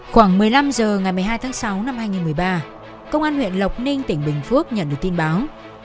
khoảng một mươi năm h ngày một mươi hai tháng sáu năm hai nghìn một mươi ba công an huyện lộc ninh tỉnh bình phước nhận được tin báo